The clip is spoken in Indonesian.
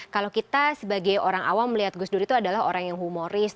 kalau kita sebagai orang awam melihat gus dur itu adalah orang yang humoris